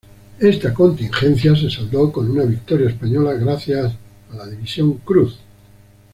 Esta contingencia se saldó con una victoria española gracias a la División Cruz.